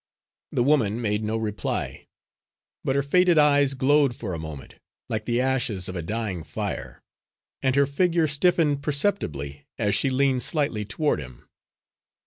The woman made no reply, but her faded eyes glowed for a moment, like the ashes of a dying fire, and her figure stiffened perceptibly as she leaned slightly toward him.